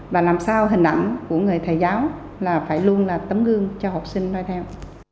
và làm sao hình ảnh của người thầy giáo là phải luôn là tấm gương cho học sinh nói theo